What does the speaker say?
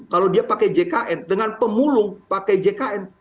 kalau dia pakai jkn dengan pemulung pakai jkn